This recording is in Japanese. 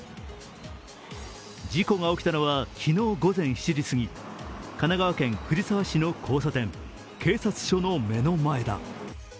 事故が起きたのは昨日午前７時過ぎ、神奈川県藤沢市の交差点、警察署の目の前だ。